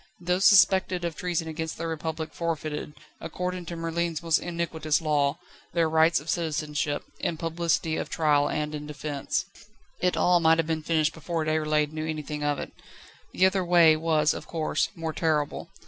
Those suspected of treason against the Republic forfeited, according to Merlin's most iniquitous Law, their rights of citizenship, in publicity of trial and in defence. It all might have been finished before Déroulède knew anything of it. The other way was, of course, more terrible.